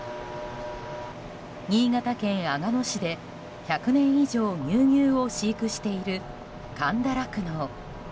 新潟県阿賀野市で１００年以上乳牛を飼育している神田酪農。